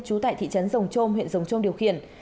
trú tại thị trấn rồng trôm huyện rồng trôm điều khiển